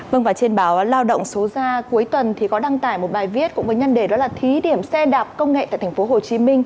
vâng và trên báo lao động số ra cuối tuần thì có đăng tải một bài viết cũng với nhân đề đó là thí điểm xe đạp công nghệ tại tp hcm